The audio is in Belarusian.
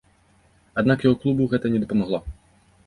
Аднак яго клубу гэта не дапамагло.